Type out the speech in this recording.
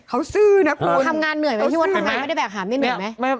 เขาซื่อนะครูทำงานเหนื่อยไหมที่วัดทำงานไม่ได้แบกหามนี่เหนื่อยไหม